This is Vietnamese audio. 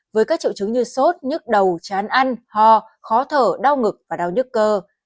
với các triệu chứng như sốt nhức đầu chán ăn ho khó thở đau ngực và đau nhức cơ